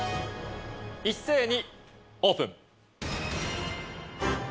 一斉にオープン。